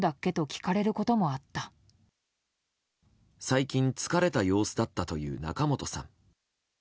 最近、疲れた様子だったという仲本さん。